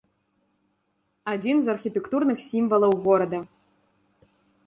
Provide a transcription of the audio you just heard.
Адзін з архітэктурных сімвалаў горада.